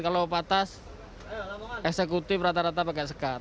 kalau patas eksekutif rata rata pakai sekat